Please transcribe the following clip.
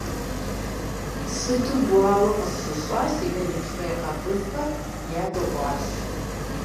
Сыту гуауэ къысщыщӏа, си гэлифе къэбыфэр ядыгъуащ.